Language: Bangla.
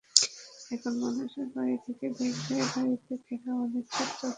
এখন মানুষের বাড়ি থেকে বের হয়ে বাড়িতে ফেরাও অনিশ্চিত হয়ে পড়েছে।